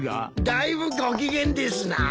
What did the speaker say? だいぶご機嫌ですな。